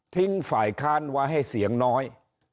ทิ้งฝ่ายค้านว่าให้เสียงน้อย